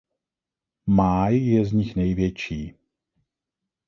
Máj je z nich největší.